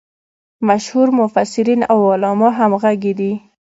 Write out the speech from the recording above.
مشهور مفسرین او علما همغږي دي.